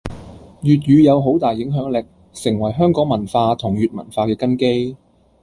粵語有好大影響力，成為香港文化同粵文化嘅根基